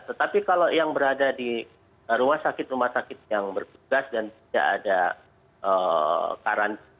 tetapi kalau yang berada di rumah sakit rumah sakit yang bertugas dan tidak ada karantina